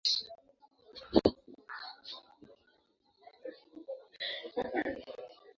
maji mengi duniani Maziwa mengine ni pamoja